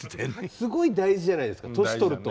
すごい大事じゃないですか年とると。